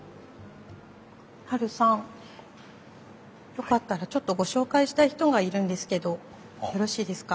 よかったらちょっとご紹介したい人がいるんですけどよろしいですか？